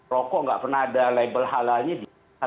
rokok nggak pernah ada label halalnya di